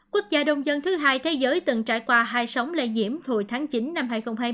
quốc gia đông dân thứ hai thế giới từng trải qua hai sóng lây nhiễm hồi tháng chín năm hai nghìn hai mươi